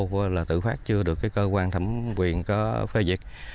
và tự phát chưa được cơ quan thẩm quyền có phê diệt